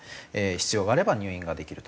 必要があれば入院ができると。